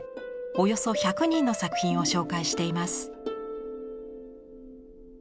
およそ１００人の作品を紹介しています。